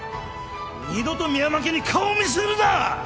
二度と深山家に顔を見せるな！